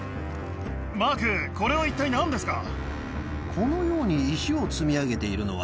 マークこれは一体何ですか？